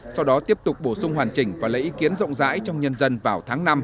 sau đó tiếp tục bổ sung hoàn chỉnh và lấy ý kiến rộng rãi trong nhân dân vào tháng năm